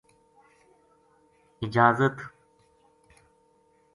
اجازت